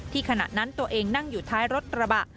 ขณะนั้นตัวเองนั่งอยู่ท้ายรถกระบะ